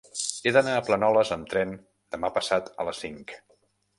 He d'anar a Planoles amb tren demà passat a les cinc.